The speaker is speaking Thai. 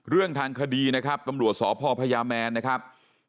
เรื่องทางคดีนะครับตำรวจสพพญาแมนนะครับ